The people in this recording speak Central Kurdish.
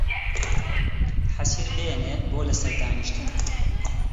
حەسیر بێنێ بۆ لە سەر دانیشتن